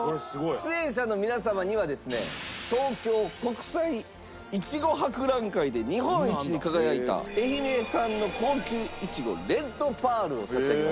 出演者の皆様にはですね東京国際苺博覧会で日本一に輝いた愛媛産の高級イチゴレッドパールを差し上げます。